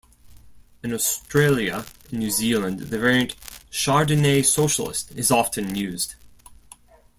In Australia and New Zealand, the variant "Chardonnay socialist" is often used.